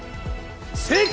正解！